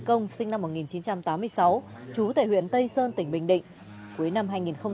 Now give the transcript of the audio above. công sinh năm một nghìn chín trăm tám mươi sáu trú tại huyện tây sơn tỉnh bình định cuối năm hai nghìn một mươi ba